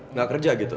nggak kerja gitu